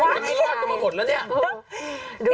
ไม่รอดกันมาหมดละเนี่ย